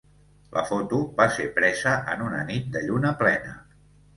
La foto va ser presa en una nit de lluna plena.